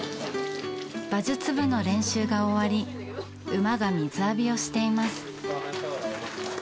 馬術部の練習が終わり馬が水浴びをしています。